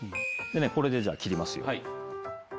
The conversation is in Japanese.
これでじゃあ切りますよ。